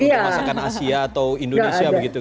untuk masakan asia atau indonesia begitu